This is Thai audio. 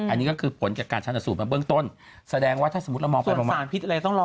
อันนี้ก็คือผลจากการชาญสูตรมาเบื้องต้นแสดงว่าถ้าสมมุติเรามองไปประมาณสารพิษอะไรต้องรอ